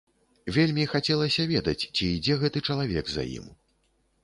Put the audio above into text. Вельмі хацелася ведаць, ці ідзе гэты чалавек за ім?